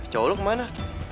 cowok lu kemana